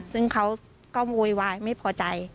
ซึ่งเขาก็โวยวายไม่พอใจ